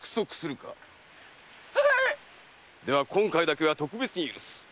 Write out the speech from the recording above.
では今回だけは特別に許す。